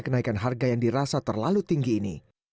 kenaikan harga yang dirasa terlalu tinggi ini